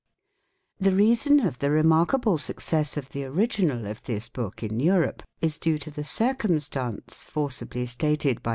| The reason of the remarkable success of the original of this book in Europe is due to the circumstance, forcibly stated by M.